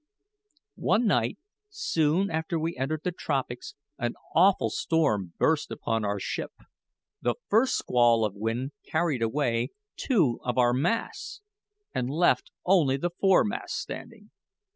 One night, soon after we entered the tropics, an awful storm burst upon our ship. The first squall of wind carried away two of our masts, and left only the foremast standing.